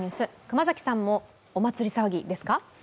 熊崎さんもお祭り騒ぎですか？